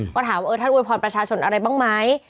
ก็ถามว่าท่านอวยพรประชาชนอะไรบ้างไหม